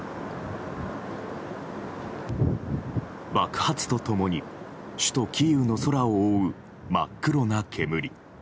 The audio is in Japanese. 爆発と共に、首都キーウの空を覆う真っ黒な煙。